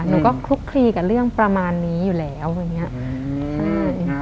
หนูก็คลุกคลีกับเรื่องประมาณนี้อยู่แล้วอย่างนี้